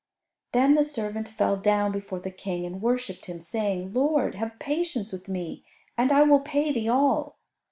Then the servant fell down before the King and worshipped him, saying, "Lord, have patience with me, and I will pay thee all."